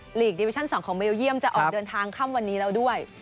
ลีกดิวิชั่น๒ของเบลเยี่ยมจะออกเดินทางค่ำวันนี้แล้วด้วย